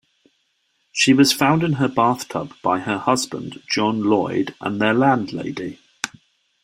She was found in her bathtub by her husband, John Lloyd, and their landlady.